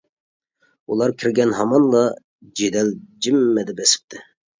ئۇلار كىرگەن ھامانلا جېدەل جىممىدە بېسىقتى.